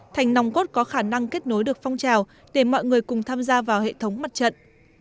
thành nòng cốt có khả năng kết nối được phong trào để mọi người cùng tham gia vào hệ thống mặt trận